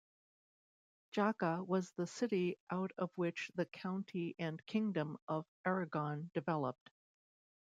Jaca was the city out of which the County and Kingdom of Aragon developed.